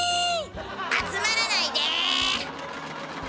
⁉集まらないで！